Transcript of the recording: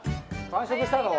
完食したの？